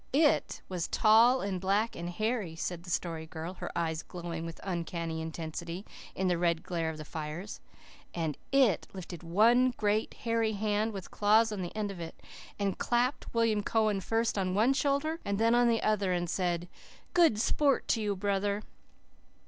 "IT was tall, and black, and hairy," said the Story Girl, her eyes glowing with uncanny intensity in the red glare of the fires, "and IT lifted one great, hairy hand, with claws on the end of it, and clapped William Cowan, first on one shoulder and then on the other, and said, 'Good sport to you, brother.